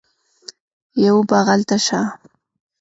یوه بغل ته شه